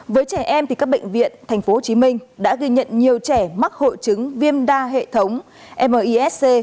với trẻ em thì các bệnh viện tp hcm đã ghi nhận nhiều trẻ mắc hội chứng viêm đa hệ thống misc